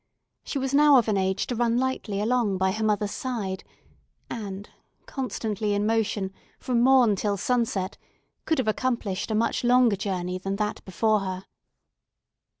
She was now of an age to run lightly along by her mother's side, and, constantly in motion from morn till sunset, could have accomplished a much longer journey than that before her.